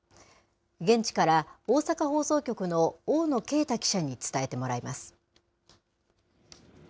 現地から大阪放送局の大野敬太記者に伝えてもらいます。